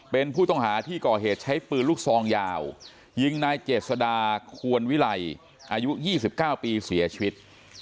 เป็นผู้ต้องหาที่ก่อเหตุใช้ปืนลูกซองยาวยิงนายเจษดาควรวิไลอายุ๒๙ปีเสียชีวิต